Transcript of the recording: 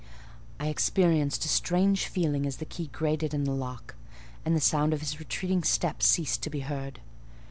I experienced a strange feeling as the key grated in the lock, and the sound of his retreating step ceased to be heard.